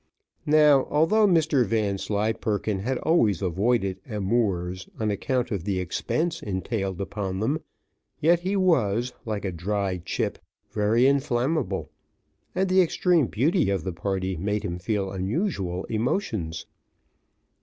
Now, although Mr Vanslyperken had always avoided amours on account of the expense entailed upon them, yet he was, like a dry chip, very inflammable, and the extreme beauty of the party made him feel unusual emotions.